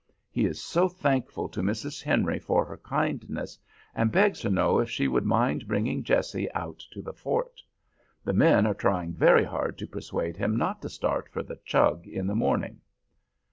He is so thankful to Mrs. Henry for her kindness, and begs to know if she would mind bringing Jessie out to the fort. The men are trying very hard to persuade him not to start for the Chug in the morning."